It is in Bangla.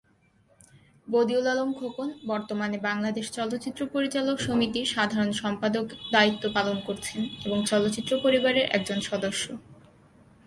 বদিউল আলম খোকন বর্তমানে বাংলাদেশ চলচ্চিত্র পরিচালক সমিতির সাধারণ সম্পাদক দায়িত্ব পালন করছেন এবং চলচ্চিত্র পরিবারের একজন সদস্য।